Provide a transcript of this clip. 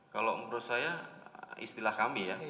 kalau menurut saya istilah kami ya